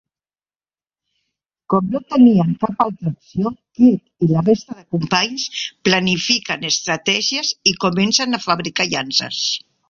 Com no tenien cap altra opció, Kirk i la resta de companys planifiquen estratègies i comencen a fabricar llances.